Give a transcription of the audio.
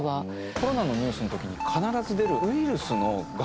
コロナのニュースの時に必ず出る。